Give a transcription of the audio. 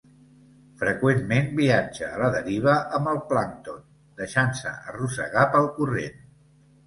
Freqüentment viatja a la deriva amb el plàncton, deixant-se arrossegar pel corrent.